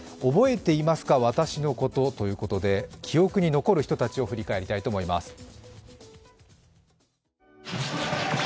覚えていますか、私のことということで、記憶に残る人たちを振り返りたいと思います。